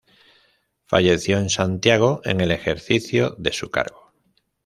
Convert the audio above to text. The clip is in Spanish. Falleció en Santiago, en el ejercicio de su cargo.